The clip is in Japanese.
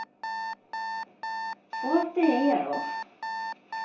終わってへんやろ。